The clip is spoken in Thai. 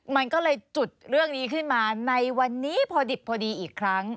มันก็เลยจุดเรื่องนี้ขึ้นมาในวันนี้พอดิบพอดีอีกครั้ง